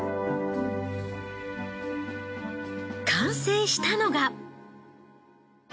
完成したのが。